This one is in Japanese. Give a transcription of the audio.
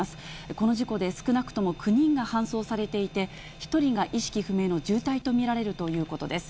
この事故で少なくとも９人が搬送されていて、１人が意識不明の重体と見られるということです。